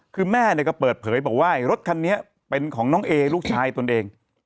คือแม่ก็เปิดเผยบอกว่ารถคันนี้เป็นของน้องเอลูกชายตนเอง